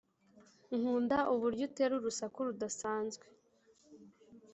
nkunda uburyo utera urusaku rudasanzwe